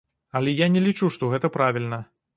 Але я не лічу, што гэта правільна.